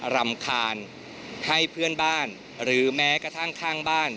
รำคาญให้เพื่อนบ้านหรือแม้กระทั่งข้างบ้าน